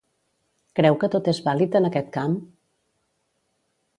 Creu que tot és vàlid en aquest camp?